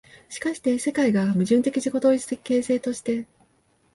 しかして世界が矛盾的自己同一的形成として、